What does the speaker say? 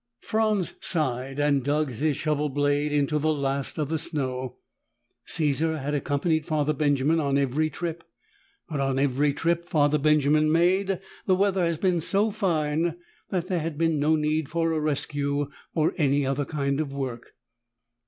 Franz sighed and dug his shovel blade into the last of the snow. Caesar had accompanied Father Benjamin on every trip. But on every trip Father Benjamin made, the weather had been so fine that there had been no need for a rescue or any other kind of work.